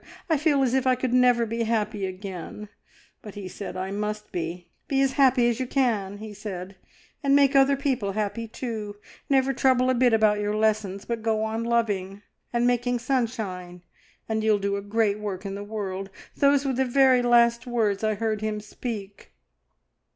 I feel as if I could never be happy again, but he said I must be. `Be as happy as you can,' he said, `and make other people happy too. Never trouble a bit about your lessons, but go on loving and making sunshine, and you'll do a great work in the world.' Those were the very last words I heard him speak."